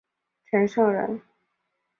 陈胜人。